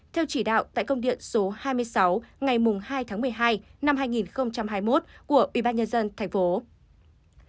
theo chỉ đạo tại công điện số hai mươi sáu ngày hai tháng một mươi hai năm hai nghìn hai mươi một của ubnd tp